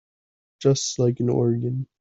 Just like an organ.